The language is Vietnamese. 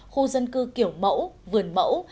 khu dân cư kiểu mẫu vườn mẫu